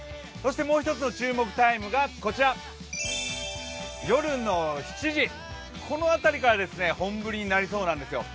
もう一つの注目タイムが夜の７時、この辺りから本降りになりそうなんですよ。